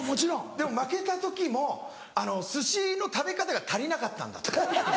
でも負けた時も寿司の食べ方が足りなかったんだと。